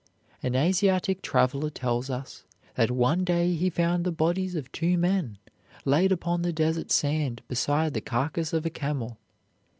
An Asiatic traveler tells us that one day he found the bodies of two men laid upon the desert sand beside the carcass of a camel.